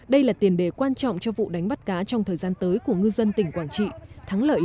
đây là tiền đề quan trọng cho vụ đánh bắt cá trong thời gian tới của ngư dân tỉnh quảng trị thắng lợi